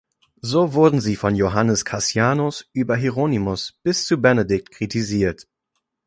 So wurden sie von Johannes Cassianus über Hieronymus bis zu Benedikt kritisiert.